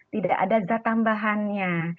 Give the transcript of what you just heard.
tidak ada zat tambahannya